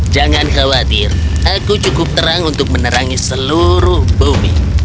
jangan khawatir aku cukup terang untuk menerangi seluruh bumi